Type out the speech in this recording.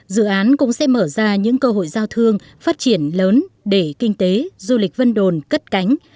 dự án cũng sẽ mở ra những cơ hội giao thương phát triển lớn để kinh tế du lịch vân đồn cất cánh